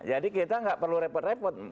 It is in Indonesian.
jadi kita enggak perlu repot repot